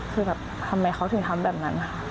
คือแบบทำไมเขาถึงทำแบบนั้นค่ะ